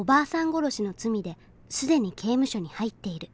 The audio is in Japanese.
殺しの罪で既に刑務所に入っている。